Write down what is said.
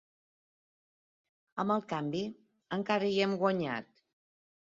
Amb el canvi, encara hi hem guanyat.